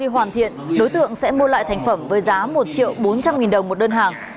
khi hoàn thiện đối tượng sẽ mua lại thành phẩm với giá một triệu bốn trăm linh nghìn đồng một đơn hàng